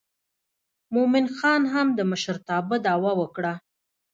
مومن خان هم د مشرتابه دعوه وکړه.